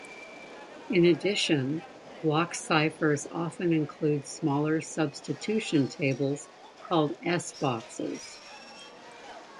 In addition, block ciphers often include smaller substitution tables called S-boxes.